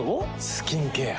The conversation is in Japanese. スキンケア。